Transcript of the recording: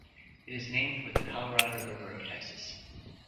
It is named for the Colorado River of Texas.